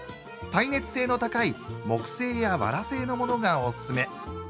耐熱性の高い木製やわら製のものがおすすめ。